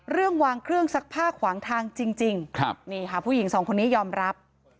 เรื่องวางเครื่องซักผ้าขวางทางจริงจริงครับนี่ค่ะผู้หญิงสองคนนี้ยอมรับ